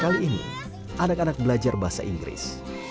kali ini anak anak belajar bahasa inggris